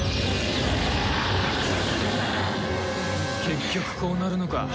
結局こうなるのか。